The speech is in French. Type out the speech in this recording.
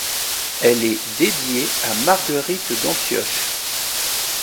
Elle est dédiée à Marguerite d'Antioche.